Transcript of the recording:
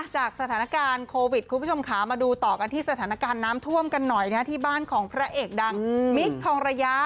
จากสถานการณ์โควิดคุณผู้ชมขามาดูต่อกันที่สถานการณ์น้ำท่วมกันหน่อยนะที่บ้านของพระเอกดังมิคทองระยะ